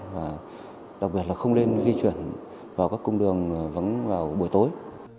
và đặc biệt là không nên di chuyển vào các cung đường vắng vào buổi tối